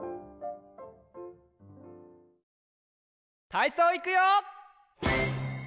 たいそういくよ！